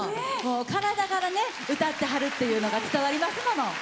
体から歌ってはるっていうのが伝わりますもん。